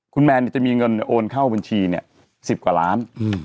คุณแมนเนี่ยจะมีเงินโอนเข้าบัญชีเนี่ย๑๐กว่าล้าน